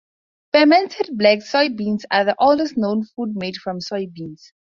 Fermented black soybeans are the oldest-known food made from soybeans.